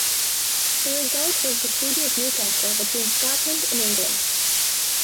The result was the Treaty of Newcastle between Scotland and England.